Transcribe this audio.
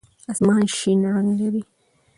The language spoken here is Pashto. آسمان شین رنګ لري.